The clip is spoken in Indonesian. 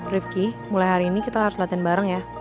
rifki mulai hari ini kita harus latihan bareng ya